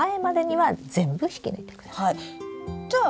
はい。